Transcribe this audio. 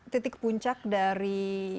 titik puncak dari